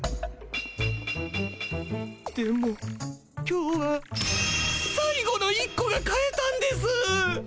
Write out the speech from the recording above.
でも今日はさい後の１こが買えたんです。